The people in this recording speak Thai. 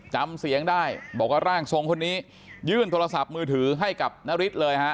จำเสียงได้บอกว่าร่างทรงคนนี้ยื่นโทรศัพท์มือถือให้กับนฤทธิ์เลยฮะ